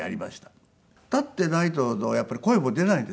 立っていないとやっぱり声も出ないんですよね。